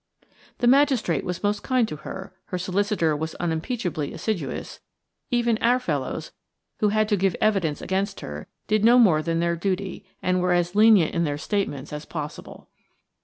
The magistrate was most kind to her; her solicitor was unimpeachably assiduous; even our fellows, who had to give evidence against her, did no more than their duty, and were as lenient in their statements as possible.